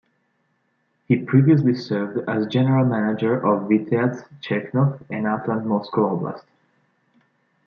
He previously served as general manager of Vityaz Chekhov and Atlant Moscow Oblast.